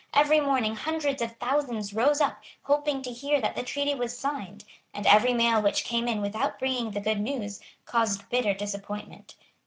Every morning hundreds of thousands rose up hoping to hear that the treaty was signed; and every mail which came in without bringing the good news caused bitter disappointment.